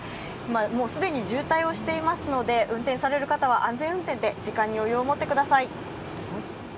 もう既に渋滞していますので運転される方は安全運転で、時間に余裕を持ってください。